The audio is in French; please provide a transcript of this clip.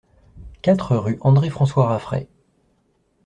quatre rue André-François Raffray